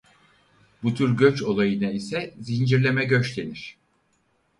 Bu tür göç olayına ise "Zincirleme Göç" denir.